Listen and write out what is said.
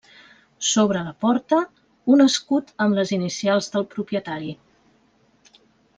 Sobre la porta, un escut amb les inicials del propietari: